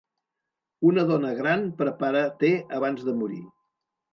Una dona gran prepara te abans de morir.